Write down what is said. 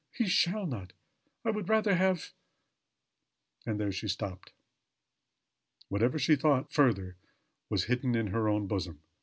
He shall not. I would rather have " And there she stopped. Whatever she thought further was hidden in her own bosom.